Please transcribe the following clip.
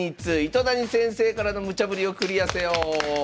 糸谷先生からのムチャぶりをクリアせよ！